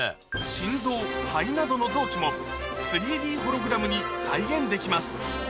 心臓肺などの臓器も３Ｄホログラムに再現できます